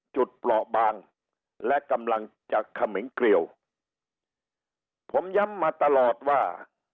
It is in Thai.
เปราะบางและกำลังจะเขมิงเกลียวผมย้ำมาตลอดว่า